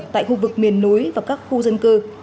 tại khu vực miền núi và các khu dân cư